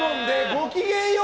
「ごきげんよう」